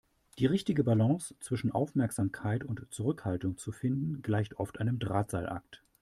Die richtige Balance zwischen Aufmerksamkeit und Zurückhaltung zu finden, gleicht oft einem Drahtseilakt.